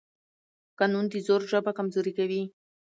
قانون د زور ژبه کمزورې کوي